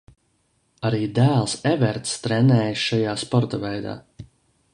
Arī dēls Everts trenējas šajā sporta veidā.